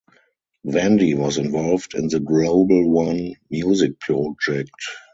Vandi was involved in the Global One music project.